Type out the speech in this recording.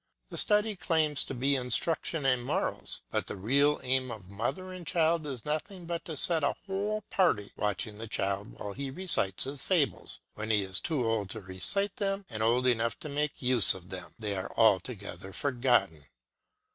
The study claims to be instruction in morals; but the real aim of mother and child is nothing but to set a whole party watching the child while he recites his fables; when he is too old to recite them and old enough to make use of them, they are altogether forgotten.